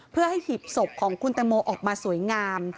เพื่อให้หีบศพของคุณแตงโมออกมาสวยงาม